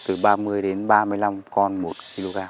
từ ba mươi đến ba mươi năm con một kg